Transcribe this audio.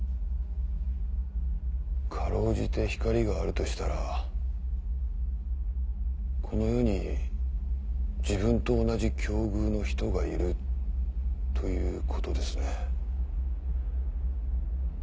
辛うじて光があるとしたらこの世に自分と同じ境遇の人がいるということですね。